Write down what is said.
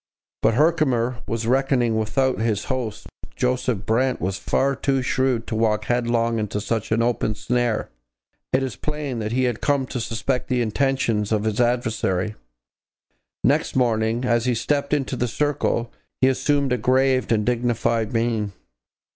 But Herkimer was reckoning without his host. Joseph Brant was far too shrewd to walk headlong into such an open snare. It is plain that he had come to suspect the intentions of his adversary. Next morning, as he stepped into the circle, he assumed a grave and dignified mien.